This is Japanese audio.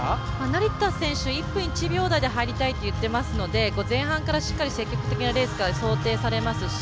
成田選手１分１秒台で入りたいと言っていますので前半から積極的なレースが想定されますし